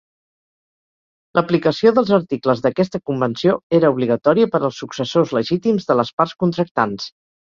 L'aplicació dels articles d'aquesta convenció era obligatòria per als successors legítims de les parts contractants.